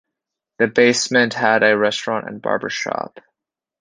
The basement had a restaurant and barbershop.